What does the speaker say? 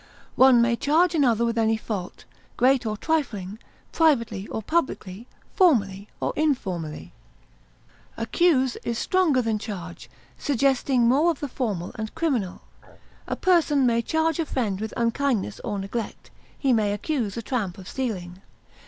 One may charge another with any fault, great or trifling, privately or publicly, formally or informally. Accuse is stronger than charge, suggesting more of the formal and criminal; a person may charge a friend with unkindness or neglect; he may accuse a tramp of stealing.